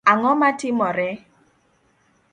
Ang’o matimore?